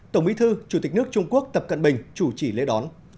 tổng bí thư chủ tịch nước trung quốc tập cận bình chủ trì lễ đón